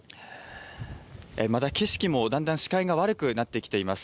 また景色もだんだん視界が悪くなってきています。